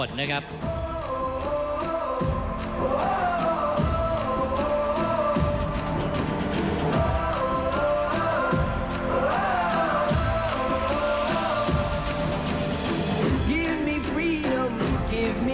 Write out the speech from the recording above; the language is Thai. ท่านแรกครับจันทรุ่ม